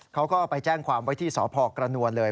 เขาก็ไปแจ้งความไว้ที่สพกระนวลเลย